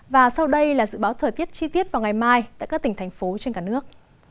và sau đây là dự báo thời tiết chi tiết vào ngày mai tại các tỉnh thành phố trên cả nước